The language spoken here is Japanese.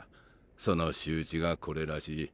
その仕打ちがコレらしい。